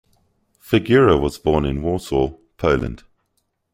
Figura was born in Warsaw, Poland.